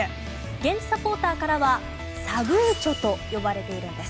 現地サポーターからはサグーチョと呼ばれているんです。